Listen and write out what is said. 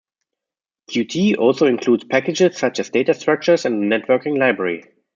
Qt also includes packages such as data structures and a networking library.